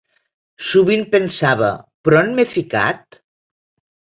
Sovint pensava 'però on m'he ficat?'.